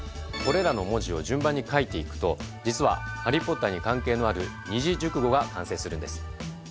これらの文字を順番に書いていくと実はハリー・ポッターに関係のある二字熟語が完成するんです